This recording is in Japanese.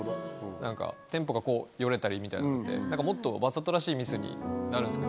テンポがよれたりみたいなんで、もっとわざとらしいミスになると思うんです。